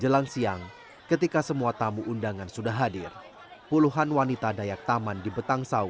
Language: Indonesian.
ritual pasiap ini dilakukan guna menghormati tamu dan memastikan tidak ada satupun tamu yang merasa lapar di betang sawe